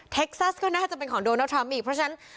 ซัสก็น่าจะเป็นของโดนัลดทรัมป์อีกเพราะฉะนั้น